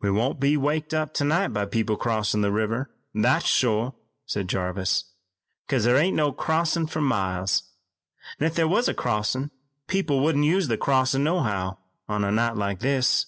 "We won't be waked up tonight by people crossin' the river, that's shore," said Jarvis, "'cause thar ain't no crossin' fur miles, an' if there was a crossin' people wouldn't use that crossin' nohow on a night like this.